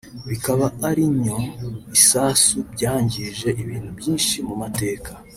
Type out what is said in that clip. bikaba arinyo isasu byangije ibintu byinshi mu mateka